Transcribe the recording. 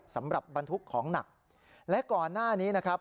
บรรทุกของหนักและก่อนหน้านี้นะครับ